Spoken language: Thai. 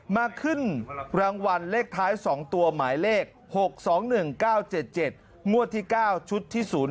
มาขึ้นรางวัลเลขท้าย๒ตัวหมายเลข๖๒๑๙๗๗ม๙ชุด๐๕